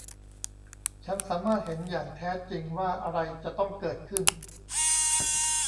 ฉันสามารถเห็นอย่างแท้จริงว่าอะไรจะต้องเกิดขึ้น